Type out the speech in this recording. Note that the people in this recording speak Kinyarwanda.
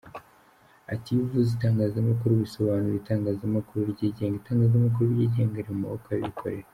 Ati “Iyo uvuze itangazamakuru bisobanuye itangazamakuru ryigenga; Itangazamakuru ryigenga riri mu maboko y’abikorera.